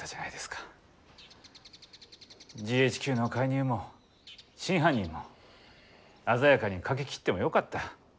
ＧＨＱの介入も真犯人も鮮やかに書き切ってもよかった。